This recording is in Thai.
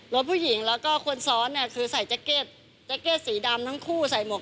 รถผู้หญิงเราก็ควรซ้อนคือใส่แจ๊กเก็ตแจ๊กเก็ตสีดำทั้งคู่ใส่หมวกกับน็อค